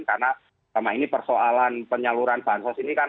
karena ini persoalan penyaluran bahan sosial ini kan